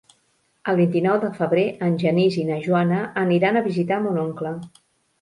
El vint-i-nou de febrer en Genís i na Joana aniran a visitar mon oncle.